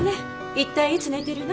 一体いつ寝てるの？